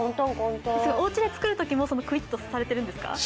おうちで作るときもクイッとされているんですか？